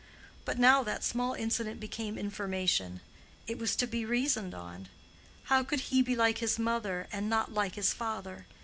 But now that small incident became information: it was to be reasoned on. How could he be like his mother and not like his father?